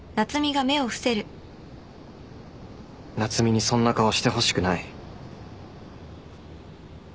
夏海にそんな顔してほしくない。